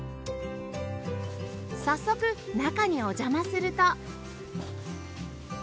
早速中にお邪魔すると